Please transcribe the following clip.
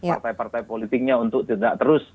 partai partai politiknya untuk tidak terus